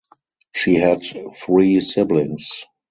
She had three siblings.